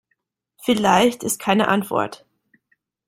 Vielleicht ist keine Antwort.